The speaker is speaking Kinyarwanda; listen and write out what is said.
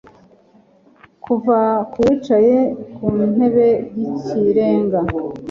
kuva ku wicaye ku ntebe y'ikirenga